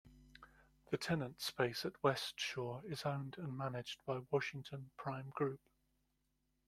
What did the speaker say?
The tenant space at WestShore is owned and managed by Washington Prime Group.